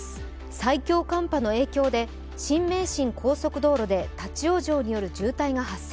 最強寒波の影響で新名神高速道路で立往生による渋滞が発生。